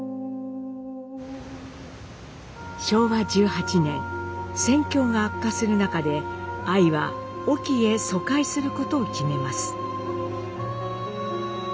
昭和１８年戦況が悪化する中でアイは隠岐へ疎開することを決めます。